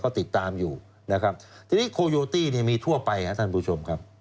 ก็ติดตามอยู่นะครับทีนี้เนี่ยมีทั่วไปฮะท่านผู้ชมครับ